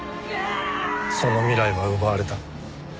その未来は奪われた。